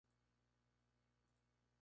Es sobre todo un lugar de vacaciones.